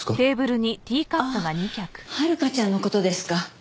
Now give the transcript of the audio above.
ああ遥香ちゃんの事ですか。